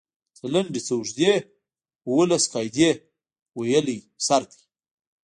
څۀ لنډې څۀ اوږدې اووه لس قاعدې ويلی سر دی